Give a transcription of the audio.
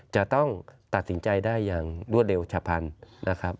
จะต้องตัดสินใจได้อย่างรวดเร็วฉะพันธุ์นะครับ